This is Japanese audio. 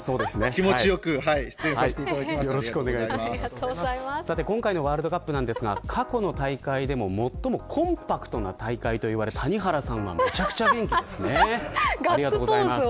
気持ちよく今回のワールドカップですが過去の大会でも最もコンパクトな大会といわれ谷原さんはめちゃくちゃ元気ですね。